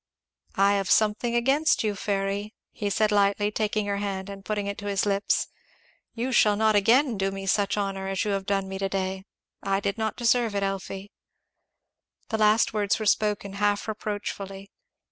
"I have something against you, fairy," said he lightly, taking her hand and putting it to his lips. "You shall not again do me such honour as you have done me to day I did not deserve it, Elfie." The last words were spoken half reproachfully.